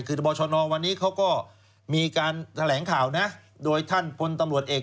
คือทบชนวันนี้เขาก็มีการแถลงข่าวนะโดยท่านพลตำรวจเอก